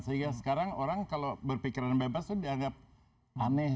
sehingga sekarang orang kalau berpikiran bebas itu dianggap aneh